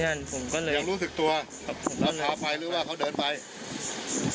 ยังรู้สึกตัวแล้วพาไปหรือว่าเขาเดินไปครับผมก็เลย